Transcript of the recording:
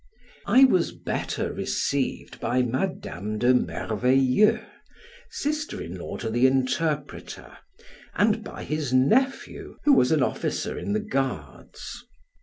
I was better received by Madam de Merveilleux, sister in law to the interpreter, and by his nephew, who was an officer in the guards.